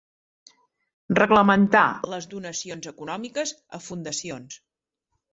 Reglamentar les donacions econòmiques a fundacions.